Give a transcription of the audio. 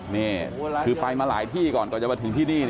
นี่คือไปมาหลายที่ก่อนก่อนจะมาถึงที่นี่